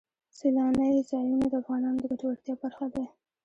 سیلانی ځایونه د افغانانو د ګټورتیا برخه ده.